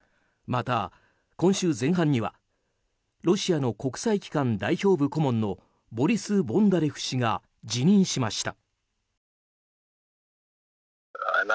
また、今週前半にはロシアの国際機関代表部顧問のボリス・ボンダレフ氏が辞任しました。